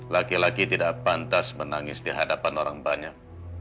laki laki tidak pantas menangis dihadapan orang banyak